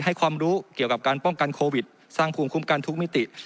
ความรู้เกี่ยวกับการป้องกันโควิดสร้างภูมิคุ้มกันทุกมิติ